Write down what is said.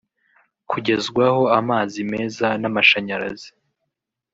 kugezwaho amazi meza n’amashanyarazi